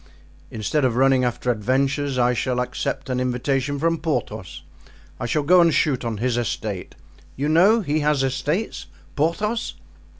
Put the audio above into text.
Instead of running after adventures I shall accept an invitation from Porthos; I shall go and shoot on his estate. You know he has estates—Porthos?"